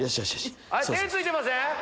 手突いてません？